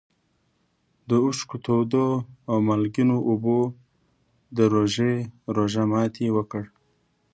د اوښکو تودو او مالګینو اوبو د روژې روژه ماتي وکړ.